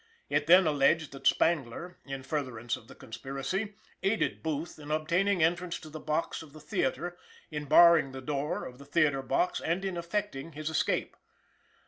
It then alleged that Spangler, in furtherance of the conspiracy, aided Booth in obtaining entrance to the box of the theatre, in barring the door of the theatre box, and in effecting his escape.